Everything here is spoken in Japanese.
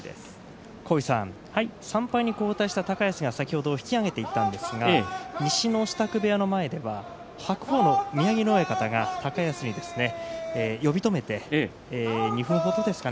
３敗に後退した高安が先ほど引き揚げていったんですが西の支度部屋の前では白鵬の宮城野親方が呼び止めていました。